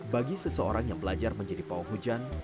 bagi seseorang yang belajar menjadi pawang hujan